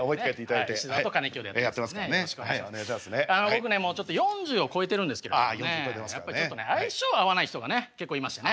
僕ねもうちょっと４０を超えてるんですけどもねやっぱちょっとね相性合わない人がね結構いましてね。